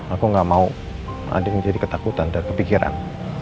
aku gak mau andin jadi ketakutan dan kepikiran